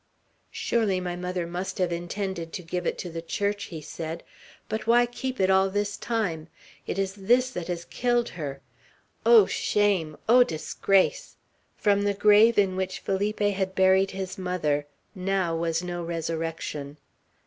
"Surely my mother must have intended to give it to the Church," he said. "But why keep it all this time? It is this that has killed her. Oh, shame! oh, disgrace!" From the grave in which Felipe had buried his mother now, was no resurrection.